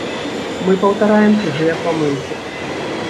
Мы паўтараем чужыя памылкі.